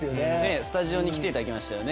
スタジオに来ていただきましたね。